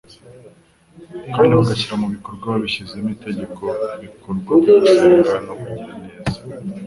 kandi bagashyira mu bikorwa babishyizeho itegeko ibikorwa byo gusenga no kugira neza.